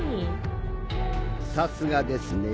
さすがですね